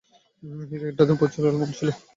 এই কেকটাতে প্রচুর অ্যালমন্ড ছিল।